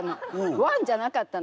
「１」じゃなかったの！